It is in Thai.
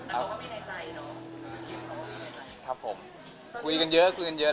แต่เขาก็มีในใจเนอะ